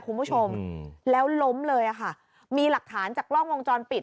คุณผู้ชมแล้วล้มเลยอ่ะค่ะมีหลักฐานจากกล้องวงจรปิด